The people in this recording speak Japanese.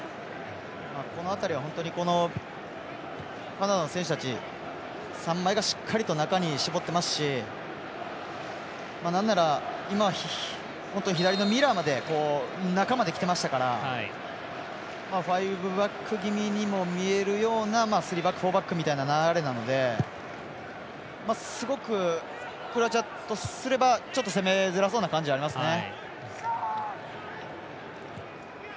この辺りは本当にカナダの選手たち３枚がしっかりと中に絞ってますしなんなら、今、本当に左のミラーまで中まできてましたからファイブバック気味にも見えるようなスリーバック、フォーバックみたいな流れなのですごく、クロアチアとすればちょっと攻めづらそうな感じはありますね。